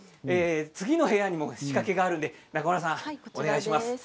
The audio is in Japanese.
次の部屋にも仕掛けがあるので中村さん、お願いします。